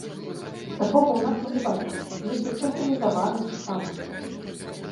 Такога ў нас мы не бачым, нейкай цэнтралізаванай цікаўнасці.